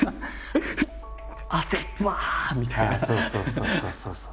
そうそうそうそう。